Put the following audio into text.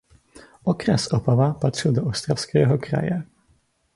Okres Opava patřil do Ostravského kraje.